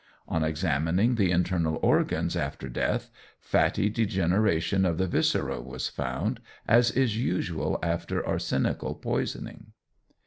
On examining the internal organs after death, fatty degeneration of the viscera was found, as is usual after arsenical poisoning.